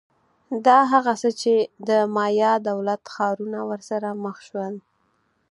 دا هغه څه چې د مایا دولت ښارونه ورسره مخ شول